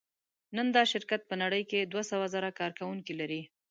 نن دا شرکت په نړۍ کې دوهسوهزره کارکوونکي لري.